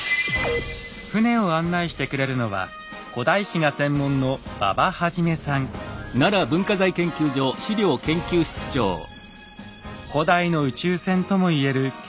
船を案内してくれるのは古代史が専門の古代の宇宙船とも言える遣唐使船。